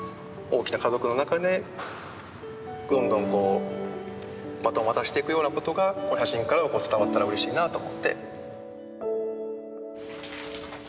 大きな家族の中でどんどんバトンを渡していくようなことがこの写真から伝わったらうれしいなと思って。